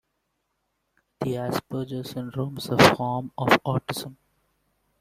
The Asperger syndrome is a form of autism.